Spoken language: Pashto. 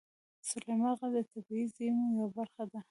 سلیمان غر د طبیعي زیرمو یوه برخه ده.